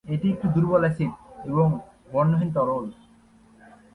এটি একটি দুর্বল অ্যাসিড এবং বর্ণহীন তরল।